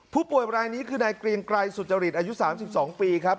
ผู้ป่วยบรรยานี้คือในเกรียงไกรสุจริตอายุสามสิบสองปีครับ